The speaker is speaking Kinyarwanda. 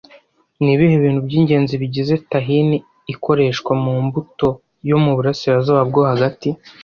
Ni ibihe bintu by'ingenzi bigize tahini ikoreshwa mu mbuto yo mu burasirazuba bwo hagati